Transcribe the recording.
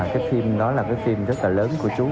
cái phim đó là cái phim rất là lớn của chúng